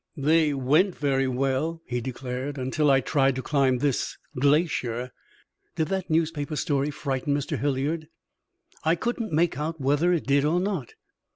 "They went very well," he declared, "until I tried to climb this glacier." "Did that newspaper story frighten Mr. Hilliard?" "I couldn't make out whether it did or not."